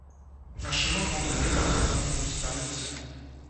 Un chemin de randonnée partant d'Amanlis permet de s'y rendre.